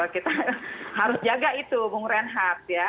kita harus jaga itu bung renhat ya